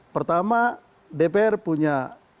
pertama dpr punya